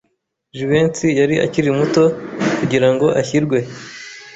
Jivency yari akiri muto kugirango ashyirwe.